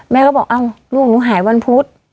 แม่ก็บอกเอ้าลูกหนูหายวันพุธ